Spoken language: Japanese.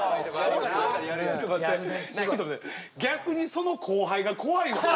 ちょっと待って逆にその後輩が怖いわ！